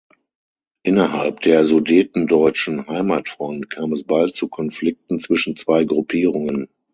Innerhalb der "Sudetendeutschen Heimatfront" kam es bald zu Konflikten zwischen zwei Gruppierungen.